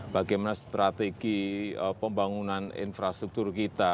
bagaimana strategi pembangunan infrastruktur kita